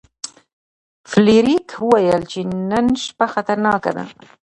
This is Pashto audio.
فلیریک وویل چې نن شپه خطرناکه ده.